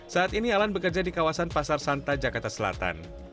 saat ini alan bekerja di kawasan pasar santa jakarta selatan